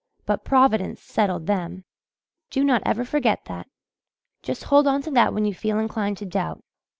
But Providence settled them. Do not ever forget that. Just hold on to that when you feel inclined to doubt.